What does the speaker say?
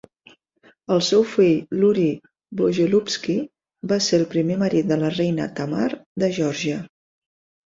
El seu fill, Iuri Bogoliubski, va ser el primer marit de la reina Tamar de Geòrgia.